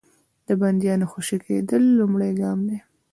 د بندیانو خوشي کېدل لومړی ګام دی.